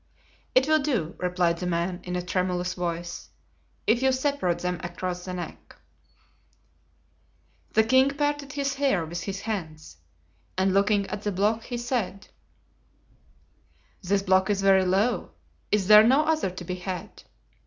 "It will do," replied the man, in a tremulous voice, "if you separate them across the neck." The king parted his hair with his hands, and looking at the block he said: "This block is very low, is there no other to be had?"